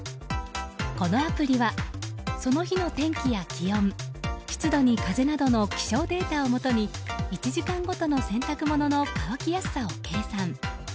このアプリはその日の天気や気温湿度に風などの気象データをもとに１時間ごとの洗濯物の乾きやすさを計算。